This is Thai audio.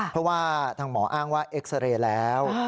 เพราะว่าทางหมออ้างว่าเอ็กซาเรย์แล้ว